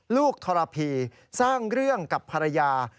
ทรพีสร้างเรื่องกับภรรยา